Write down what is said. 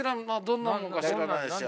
どんなのか知らないし。